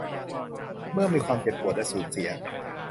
เมื่อมีความเจ็บปวดและสูญเสีย